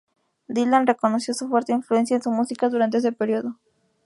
Dylan reconoció su fuerte influencia en su música durante ese periodo.